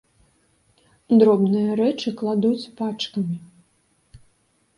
Дробныя рэчы крадуць пачкамі.